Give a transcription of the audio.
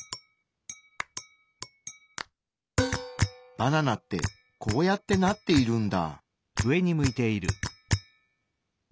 バナナってこうやってなっているんだ。